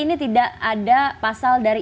ini tidak ada pasal dari